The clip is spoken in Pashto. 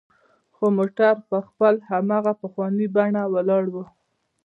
خو موټر پر خپل هماغه پخواني بڼه ولاړ و.